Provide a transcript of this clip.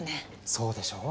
そうでしょう？